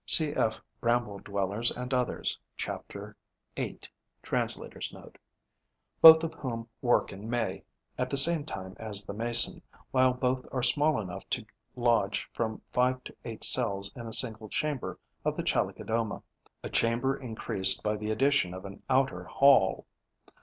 (Cf. "Bramble dwellers and Others": chapter 8. Translator's Note.), both of whom work in May, at the same time as the Mason, while both are small enough to lodge from five to eight cells in a single chamber of the Chalicodoma, a chamber increased by the addition of an outer hall.